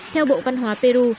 theo bộ văn hóa peru